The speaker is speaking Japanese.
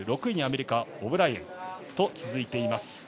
６位にアメリカのオブライエンと続いています。